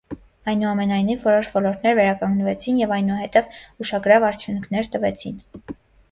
Այնուամենայնիվ, որոշ ոլորտներ վերականգնվեցին և այնուհետև ուշագրավ արդյունքներ տվեցին։